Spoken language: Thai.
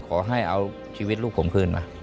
ขอให้เอาชีวิตลูกผมคืนมา